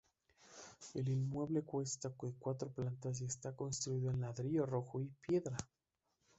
El inmueble consta de cuatro plantas y está construido en ladrillo rojo y piedra.